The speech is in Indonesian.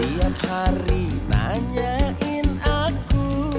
tiap hari nanyain aku